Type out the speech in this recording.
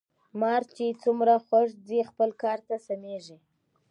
مار چی څومره کوږ ځي خپل کار ته سمیږي .